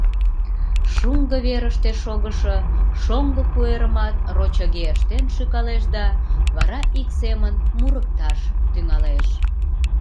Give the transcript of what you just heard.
Шуҥго верыште шогышо шоҥго куэрымат рочыге ыштен шӱкалеш да вара ик семын мурыкташ тӱҥалеш.